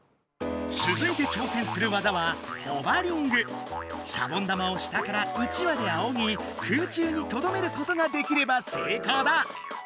つづいて挑戦する技はシャボン玉を下からうちわであおぎ空中にとどめることができればせいこうだ。